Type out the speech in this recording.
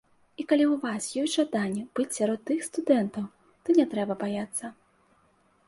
І калі ў вас ёсць жаданне быць сярод тых студэнтаў, то не трэба баяцца.